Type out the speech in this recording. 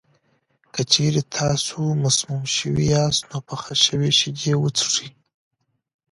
که چېرې تاسو مسموم شوي یاست، نو پخه شوې شیدې وڅښئ.